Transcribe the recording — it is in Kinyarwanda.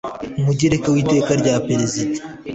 mugereka w Iteka rya Perezida